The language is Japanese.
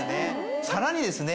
さらにですね